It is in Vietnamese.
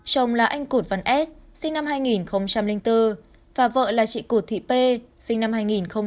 chồng là anh cụt văn s sinh năm hai nghìn bốn và vợ là chị cụt thị pê sinh năm hai nghìn